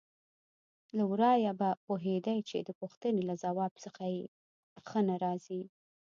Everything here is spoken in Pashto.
له ورايه به پوهېدې چې د پوښتنې له ځواب څخه یې ښه نه راځي.